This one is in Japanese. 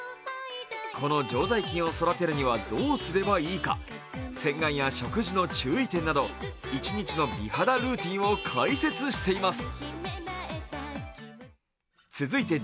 この常在菌を育てるにはどうすればいいか、洗顔や食事の注意点など一日の美肌ルーティンを解説しています。